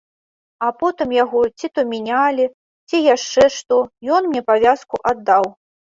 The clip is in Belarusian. А потым яго ці то мянялі, ці яшчэ што, і ён мне павязку аддаў.